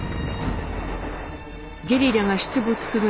ゲリラが出没する中